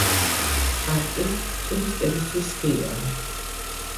პარკი ტურისტებისათვის ღიაა.